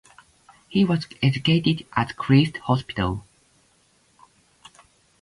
He was educated at Christ's Hospital.